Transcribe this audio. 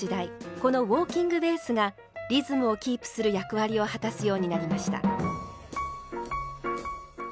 このウォーキングベースがリズムをキープする役割を果たすようになりました。